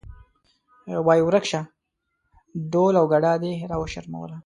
وایې ورک شه ډول او ګډا دې راوشرموله.